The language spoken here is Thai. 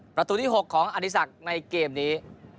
ประตูที่๖ของอธิษฐกรในเกมนี้